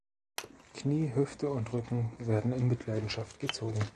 Knie, Hüfte und Rücken werden in Mitleidenschaft gezogen.